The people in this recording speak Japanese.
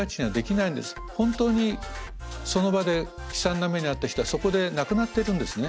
本当にその場で悲惨な目に遭った人はそこで亡くなっているんですね。